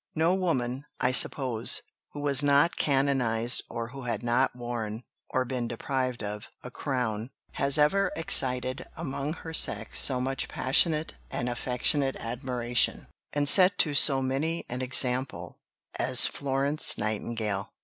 No woman, I suppose, who was not canonized or who had not worn (or been deprived of) a crown, has ever excited among her sex so much passionate and affectionate admiration, and set to so many an example, as Florence Nightingale.